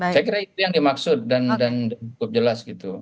saya kira itu yang dimaksud dan cukup jelas gitu